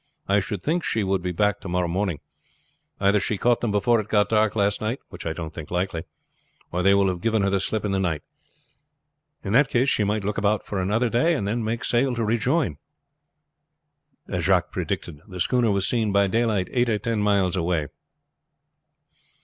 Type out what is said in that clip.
I should think she would be back to morrow morning. Either she caught them before it got dark last night which I don't think likely or they will have given her the slip in the night. In that case she might look about for another day and then make sail to rejoin." As Jacques predicted the schooner was seen by daylight eight or ten miles away.